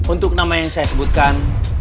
untuk nama yang saya sebutkan